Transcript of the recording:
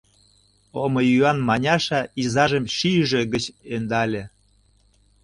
— омыюан Маняша изажым шӱйжӧ гыч ӧндале.